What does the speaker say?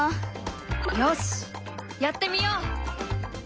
よしやってみよう！